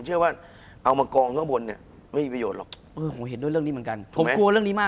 คุณผู้ชมบางท่าอาจจะไม่เข้าใจที่พิเตียร์สาร